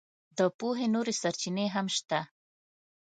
د پوهې نورې سرچینې هم شته.